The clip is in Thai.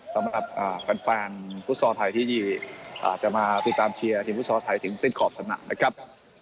สำหรับแฟนฟุตซอลไทยที่จะมาติดตามเชียร์ทีมฟุตซอลไทยถึงเป็นขอบสนามนะครับ